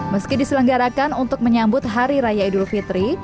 meski diselenggarakan untuk menyambut hari raya idul fitri